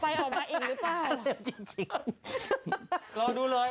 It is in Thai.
ลีน่าจังลีน่าจังลีน่าจังลีน่าจังลีน่าจังลีน่าจัง